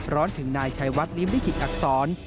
ถึงนายชัยวัดริมลิขิตอักษร